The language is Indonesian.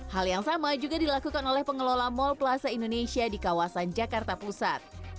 hal yang sama juga dilakukan oleh pengelola mall plaza indonesia di kawasan jakarta pusat